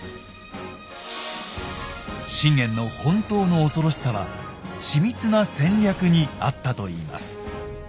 信玄の本当の恐ろしさは緻密な戦略にあったといいます。